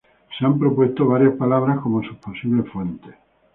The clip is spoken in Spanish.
Se han propuesto varias palabras como sus posibles fuentes.